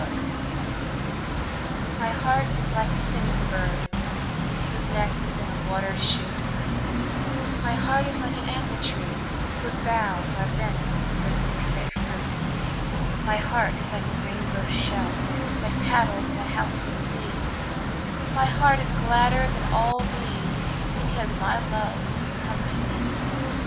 A BIRTHDAY. My heart is like a singing bird Whose nest is in a watered shoot; My heart is like an apple tree Whose boughs are bent with thick set fruit; My heart is like a rainbow shell That paddles in a halcyon sea; My heart is gladder than all these Because my love is come to me.